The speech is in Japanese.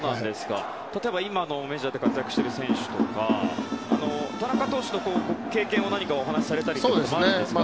例えば今のメジャーで活躍している選手とか田中投手の経験をお話されたりありますか？